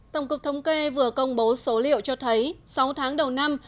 tổng cục thống kê vừa công bố số liệu cho thấy sáu tháng đầu năm